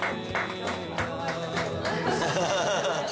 ハハハハ。